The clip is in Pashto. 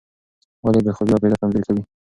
ولې بې خوبي حافظه کمزورې کوي؟